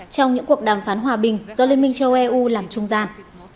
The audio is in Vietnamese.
trong những cuộc đàm phán hòa bình do liên minh châu âu làm trung gian